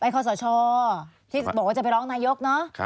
ข้อสชที่บอกว่าจะไปร้องนายกเนอะ